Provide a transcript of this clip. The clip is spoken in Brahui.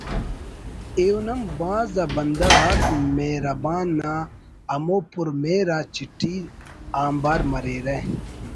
ایہن ہم بھاز آ بندغ آک مہربان نا ہمو پر مہر آ چٹھی آنبار مریرہ